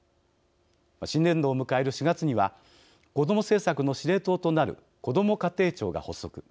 新年度を迎える４月には子ども政策の司令塔となるこども家庭庁が発足。